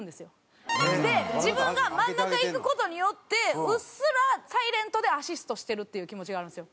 で自分が真ん中行く事によってうっすらサイレントでアシストしてるっていう気持ちがあるんですよ。